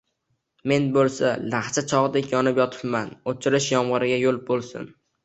Men boʼlsa lahcha choʼgʼdek yonib yotibman, oʼchirish yomgʼirga yoʼl boʼlsin…